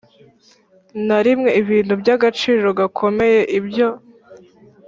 na rimwe ibintu by agaciro gakomeye Ibyo